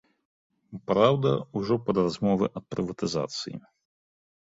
Праўда, ужо пад размовы аб прыватызацыі.